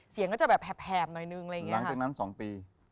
เสียงก็จะแบบแหบหน่อยนึงอะไรอย่างเงี้หลังจากนั้นสองปี